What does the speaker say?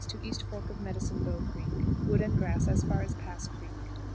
East Fork of Medicine Bow Creek. Wood and grass as far as Pass Creek.